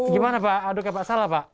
gimana pak aduknya pak salah pak